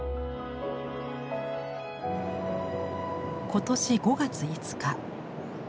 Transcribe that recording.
今年５月５日。